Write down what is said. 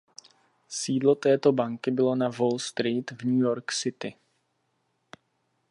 Sídlo této banky bylo na Wall Street v New York City.